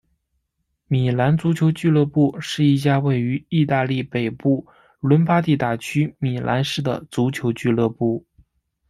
米兰足球俱乐部是一家位于义大利北部伦巴第大区米兰市的足球俱乐部。